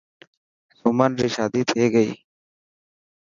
سمن ري شادي ٿي گئي.